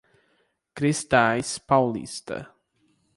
Cristais Paulista